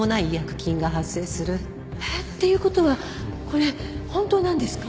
えっ？っていう事はこれ本当なんですか？